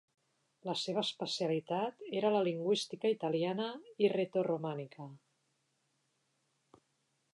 La seva especialitat era la lingüística italiana i retoromànica.